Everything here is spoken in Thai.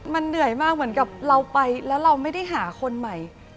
มันเหนื่อยมากเหมือนกับเราไปแล้วเราไม่ได้หาคนใหม่